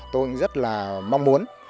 tôi rất là mong muốn